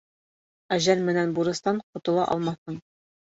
Әжәл менән бурыстан ҡотола алмаҫһың.